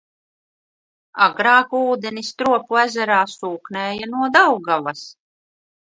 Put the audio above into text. Agrāk ūdeni Stropu ezerā sūknēja no Daugavas.